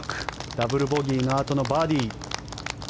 ダブルボギーのあとのバーディー。